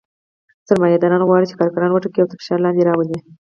سرمایه داران غواړي چې کارګران وټکوي او تر فشار لاندې راولي